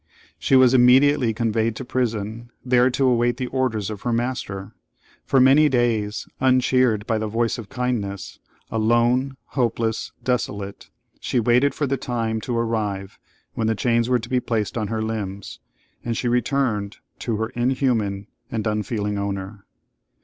She was immediately conveyed to prison, there to await the orders of her master. For many days, uncheered by the voice of kindness, alone, hopeless, desolate, she waited for the time to arrive when the chains were to be placed on her limbs, and she returned to her inhuman and unfeeling owner.